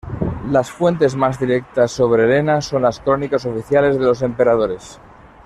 Las fuentes más directas sobre Elena son las crónicas oficiales de los emperadores.